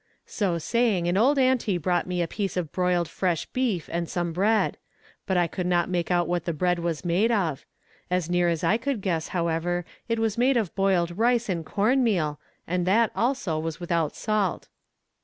So saying an old auntie brought me a piece of boiled fresh beef and some bread; but I could not make out what the bread was made of; as near as I could guess, however, it was made of boiled rice and corn meal, and that also was without salt.